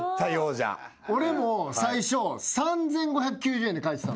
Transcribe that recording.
俺も最初３，５９０円で書いてたの。